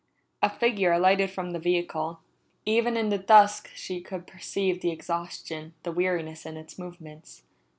A figure alighted from the vehicle. Even in the dusk she could perceive the exhaustion, the weariness in its movements.